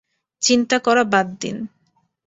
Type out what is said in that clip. চিন্তা করা বাদ দিন।